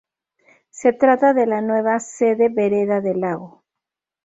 Se trata de la nueva sede Vereda del Lago.